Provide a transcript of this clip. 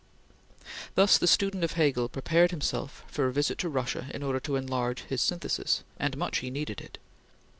Thus the student of Hegel prepared himself for a visit to Russia in order to enlarge his "synthesis" and much he needed it!